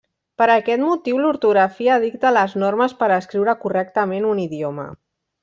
Per aquest motiu l'ortografia dicta les normes per escriure correctament un idioma.